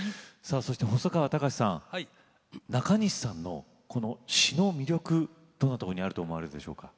細川たかしさん、なかにしさんの詞の魅力、どんなところにあると思われるでしょうか。